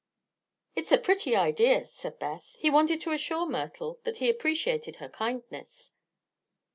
"It's a pretty idea," said Beth. "He wanted to assure Myrtle that he appreciated her kindness."